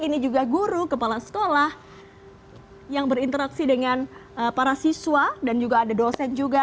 ini juga guru kepala sekolah yang berinteraksi dengan para siswa dan juga ada dosen juga